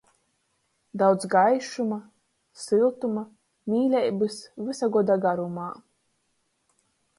Daudz gaišuma, syltuma, meileibys vysa goda garumā!